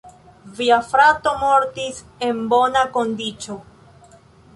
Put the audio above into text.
Via frato mortis en bona kondiĉo.